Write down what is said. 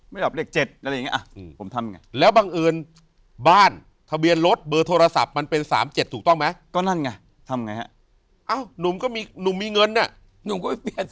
ไม่ชอบเลขเจ็ดอะไรอย่างนี้ผมทำไง